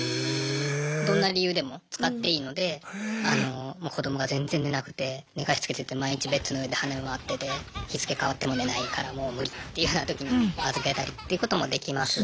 どんな理由でも使っていいので子どもが全然寝なくて寝かしつけてて毎日ベッドの上で跳ね回ってて日付変わっても寝ないからもう無理っていうようなときに預けたりっていうこともできますし。